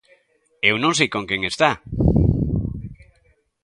Eu non sei con quen está.